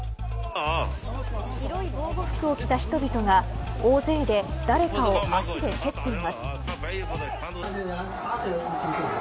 白い防護服を着た人々が大勢で誰かを足で蹴っています。